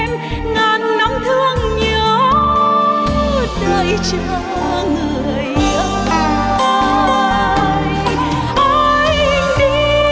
ngàn năm thương nhớ đợi chờ người yêu